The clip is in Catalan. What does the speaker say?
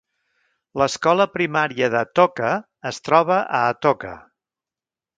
L'escola primària d'Atoka es troba a Atoka.